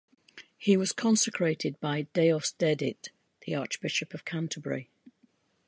He was consecrated by Deusdedit, the Archbishop of Canterbury.